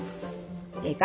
ええか？